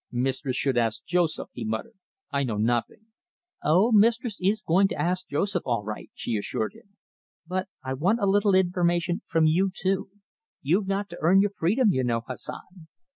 "Mistress should ask Joseph," he muttered. "I know nothing." "Oh, mistress is going to ask Joseph all right," she assured him, "but I want a little information from you, too. You've got to earn your freedom, you know, Hassan.